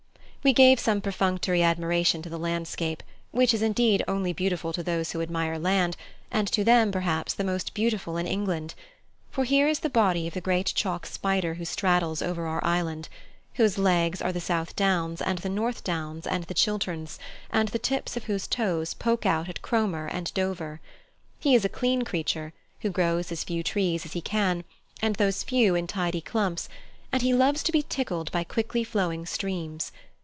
We gave some perfunctory admiration to the landscape, which is indeed only beautiful to those who admire land, and to them perhaps the most beautiful in England. For here is the body of the great chalk spider who straddles over our island whose legs are the south downs and the north downs and the Chilterns, and the tips of whose toes poke out at Cromer and Dover. He is a clean creature, who grows as few trees as he can, and those few in tidy clumps, and he loves to be tickled by quickly flowing streams.